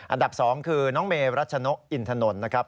อันดับ๒คือน้องเมรัชนกอินถนนนะครับ